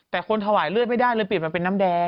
แต่คนถวายเลือดไม่ได้เลยเปลี่ยนมาเป็นน้ำแดง